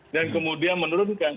dan kemudian menurunkan